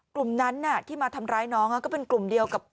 กลุ่มนั้นที่มาทำร้ายน้องก็เป็นกลุ่มเดียวกับ